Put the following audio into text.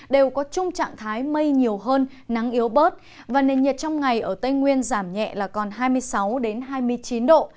đều có chung trạng thái mây nhiều hơn nắng yếu bớt và nền nhiệt trong ngày ở tây nguyên giảm nhẹ là còn hai mươi sáu hai mươi chín độ